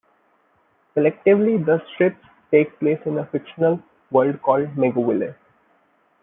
Collectively, the strips take place in a fictional world called Megoville.